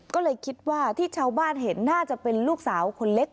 ก็เลยคิดว่าที่ชาวบ้านเห็นน่าจะเป็นลูกสาวคนเล็ก